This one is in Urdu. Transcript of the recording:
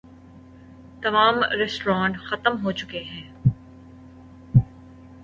تمام ریستوران ختم ہو چکے ہیں۔